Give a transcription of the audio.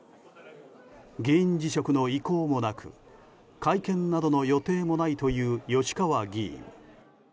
議員辞職の意向もなく会見などの予定もないという吉川議員。